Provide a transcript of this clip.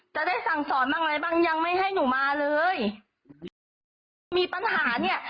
จะได้สั่งสอนบ้างอะไรบ้างยังไม่ให้หนูมาเลยถ้ามีปัญหาเนี้ย